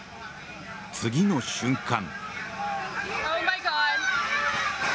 次の瞬間。